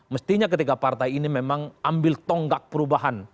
mestinya ketika partai ini memang ambil tonggak perubahan